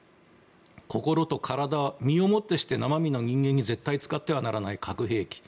心と体は身をもってして生身の人間に絶対使ってはならない核兵器。